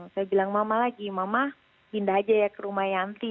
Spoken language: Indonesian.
saya bilang mama lagi mama pindah aja ya ke rumah yanti